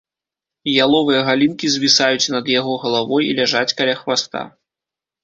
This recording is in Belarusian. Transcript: Яловыя галінкі звісаюць над яго галавой і ляжаць каля хваста.